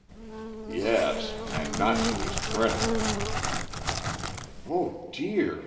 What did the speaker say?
"Yes; and not to his credit." "Oh dear!"